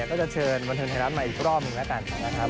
ก็จะเชินวันเทินใหม่ละ๑นะครับ